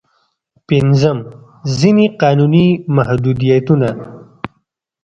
پنځم: ځينې قانوني محدودیتونه.